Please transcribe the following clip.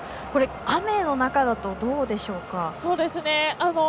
雨の中だとどうでしょうか。